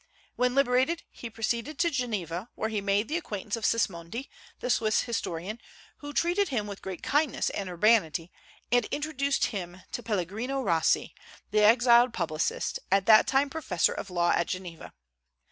When liberated he proceeded to Geneva, where he made the acquaintance of Sismondi, the Swiss historian, who treated him with great kindness and urbanity, and introduced him to Pellegrino Rossi, the exiled publicist, at that time professor of law at Geneva.